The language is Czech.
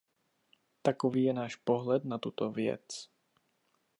Takový je náš pohled na tuto věc.